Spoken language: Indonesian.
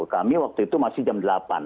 kami waktu itu masih jam delapan